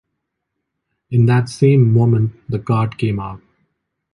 in that same moment the card came out